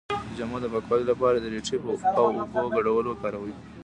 د جامو د پاکوالي لپاره د ریټې او اوبو ګډول وکاروئ